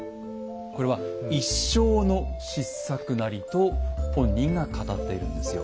「これは一生の失策なり」と本人が語っているんですよ。